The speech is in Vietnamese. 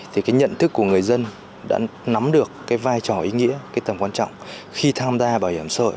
thì nhận thức của người dân đã nắm được vai trò ý nghĩa tầm quan trọng khi tham gia bảo hiểm xã hội